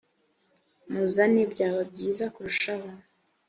muzane byaba byiza kurushaho .